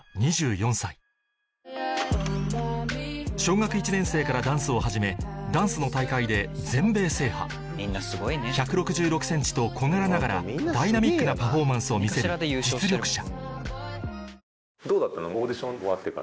小学１年生からダンスを始めダンスの大会で全米制覇１６６ｃｍと小柄ながらダイナミックなパフォーマンスを見せる実力者